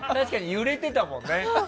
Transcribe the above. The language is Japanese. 揺れてたもんね。